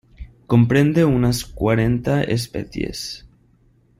Comprende unas cuarenta especies.